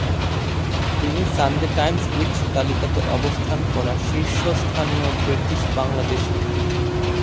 তিনি Sunday Times rich তালিকাতে অবস্থান করা শীর্ষস্থানীয় ব্রিটিশ বাংলাদেশী।